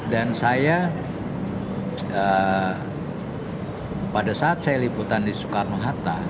dan saya pada saat saya liputan di soekarno hatta